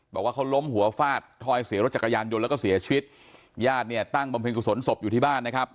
บอกว่าเขาล้มหัวฟาดทอยเสียรถจักรยานยนต์แล้วก็เสียชีวิตญาติเนี่ยตั้งบำเพ็ญกุศลศพอยู่ที่บ้านนะครับ